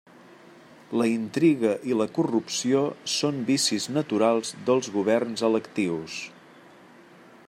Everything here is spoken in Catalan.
La intriga i la corrupció són vicis naturals dels governs electius.